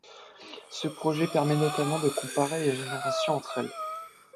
Ce projet permet, notamment, de comparer les générations entre elles.